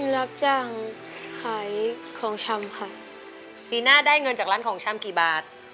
รับจ้างขายของชำค่ะสีหน้าได้เงินจากร้านของชำกี่บาท